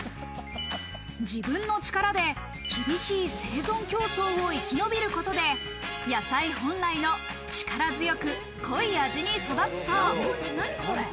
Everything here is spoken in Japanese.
自分の力で厳しい生存競争を生き延びることで、野菜本来の力強く濃い味に育つそう。